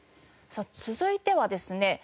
さあ続いてはですね